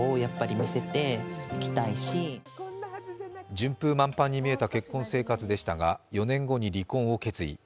順風満帆に見えた結婚生活でしたが、４年後に離婚を決意。